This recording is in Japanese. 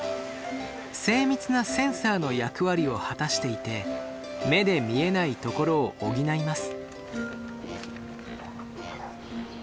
精密なセンサーの役割を果たしていて目で見えないところを補います。